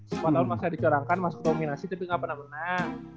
katanya empat tahun merasa dicurangkan masuk dominasi tapi gak pernah pernah